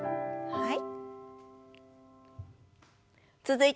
はい。